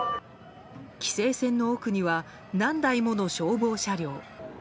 規制線の奥には何台もの消防車両。